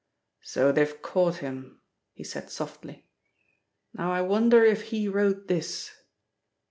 "So they've caught him," he said softly. "Now I wonder if he wrote this?"